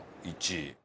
１位。